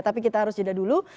tapi kita harus jeda dulu